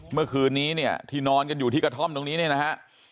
เมื่อคืนนี้เนี่ยที่นอนกันอยู่ที่กระท่อมตรงนี้เนี่ยนะฮะ